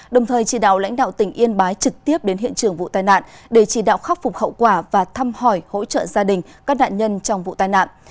đồng thời chỉ đạo lãnh đạo tỉnh yên bái trực tiếp đến hiện trường vụ tai nạn để chỉ đạo khắc phục hậu quả và thăm hỏi hỗ trợ gia đình các nạn nhân trong vụ tai nạn